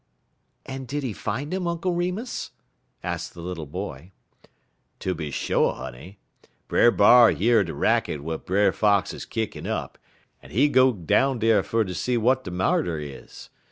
"And did he find him, Uncle Remus?" asked the little boy. "Tooby sho', honey. Brer B'ar year de racket w'at Brer Fox kickin' up, en he go down dar fer ter see w'at de marter is.